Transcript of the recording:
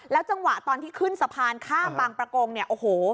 จังหวะตอนที่ขึ้นสะพานข้ามบางประกงเนี่ยโอ้โห